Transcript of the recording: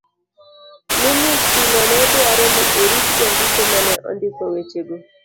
Ministrino ne dwaro ni orit jandiko ma ne ondiko wechego.